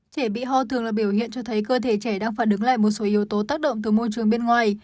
trẻ bị ho thường là biểu hiện cho thấy cơ thể trẻ đang phản ứng lại một số yếu tố tác động từ môi trường bên ngoài